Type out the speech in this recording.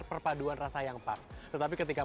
perpaduan rasa yang pas tetapi ketika